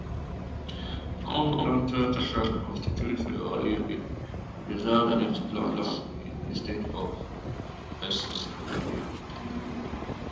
The Cornplanter Tract constituted the only reserved native lands in the state of Pennsylvania.